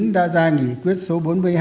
đã ra nghị quyết số bốn mươi hai